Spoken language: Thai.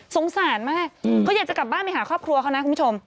สงสารมากเขาอยากจะกลับบ้านไปหาครอบครัวเขานะคุณผู้ชม